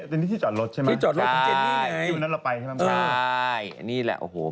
อันนี้ที่จอดรถใช่ไหม